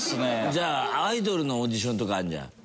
じゃあアイドルのオーディションとかあるじゃん。